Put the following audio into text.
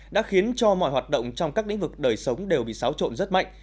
đã khiến cho mọi hoạt động trong các lĩnh vực đời sống đều bị xáo trộn rất mạnh